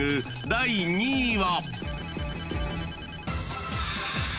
第２位は］